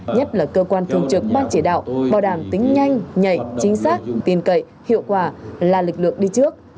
nhất là cơ quan thường trực ban chỉ đạo bảo đảm tính nhanh nhạy chính xác tin cậy hiệu quả là lực lượng đi trước